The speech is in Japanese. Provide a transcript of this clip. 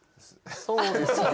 そうですね。